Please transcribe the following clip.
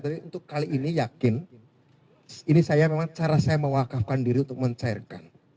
tapi untuk kali ini yakin ini saya memang cara saya mewakafkan diri untuk mencairkan